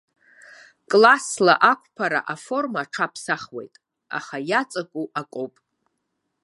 Классла ақәԥара аформа аҽаԥсахуеит, аха иаҵаку акоуп.